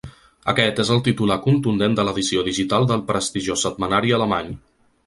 Aquest és el titular contundent de l’edició digital del prestigiós setmanari alemany.